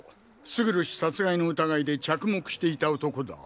勝呂氏殺害の疑いで着目していた男だ。